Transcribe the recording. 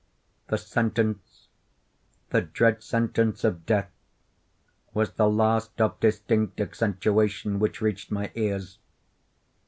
The sentence—the dread sentence of death—was the last of distinct accentuation which reached my ears.